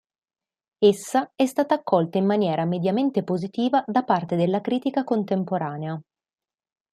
Essa è stata accolta in maniera mediamente positiva da parte della critica contemporanea.